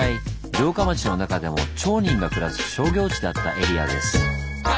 城下町の中でも町人が暮らす商業地だったエリアです。